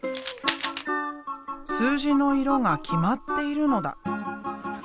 数字の色が決まっているのだ。